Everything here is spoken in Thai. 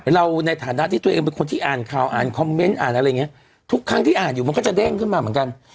เราในฐานะที่ตัวเองเป็นคนที่อ่านข่าวอ่านคอมเมนต์อ่านอะไรอย่างเงี้ยทุกครั้งที่อ่านอยู่มันก็จะเด้งขึ้นมาเหมือนกัน